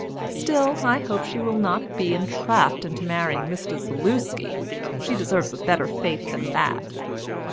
Still, I hope she will not be entrapped into marrying Mr. Zaluski; she deserves a better fate than that."